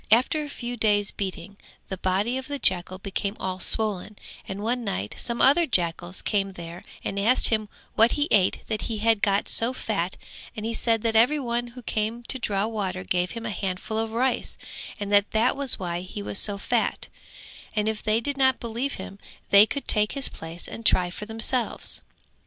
After a few days beating the body of the jackal became all swollen and one night some other jackals came there and asked him what he ate that he had got so fat and he said that every one who came to draw water gave him a handful of rice and that was why he was so fat; and if they did not believe him they could take his place and try for themselves.